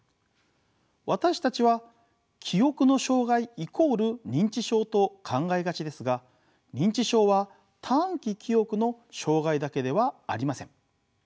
私たちは記憶の障害イコール認知症と考えがちですが認知症は短期記憶の障害だけではありません。